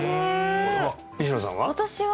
西野さんは？